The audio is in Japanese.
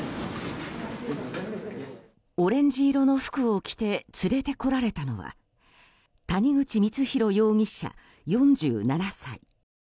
オレンジ色の服を着て連れてこられたのは谷口光弘容疑者、４７歳。